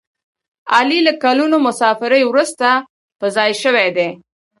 علي له کلونو مسافرۍ ورسته په ځای شوی دی.